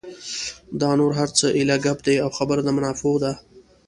دا نور هر څه ایله ګپ دي او خبره د منافعو ده.